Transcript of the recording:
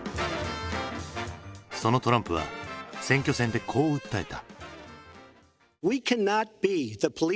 そのトランプは選挙戦でこう訴えた。